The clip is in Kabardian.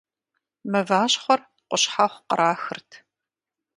Мыващхъуэр къущхьэхъу кърахырт.